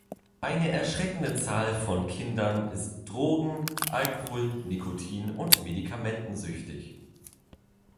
Eine erschreckende Zahl von Kindern ist drogen-, alkohol-, nikotin- und medikamentensüchtig.